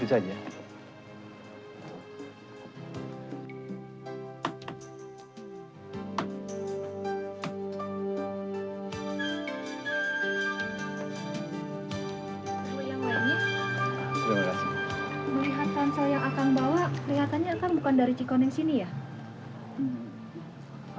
lihat cancel yang akan bawa kelihatannya kan bukan dari cikon yang sini ya